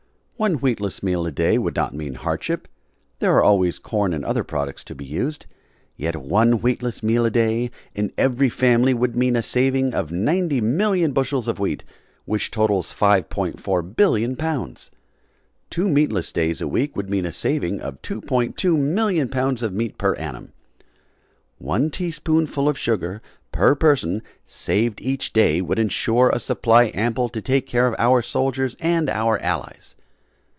One wheatless meal a day would not mean hardship; there are always corn and other products to be used. Yet one wheatless meal a day in every family would mean a saving of 90,000,000 bushels of wheat, which totals 5,400,000,000 lbs. Two meatless days a week would mean a saving of 2,200,000 lbs. of meat per annum. One teaspoonful of sugar per person saved each day would insure a supply ample to take care of our soldiers and our Allies.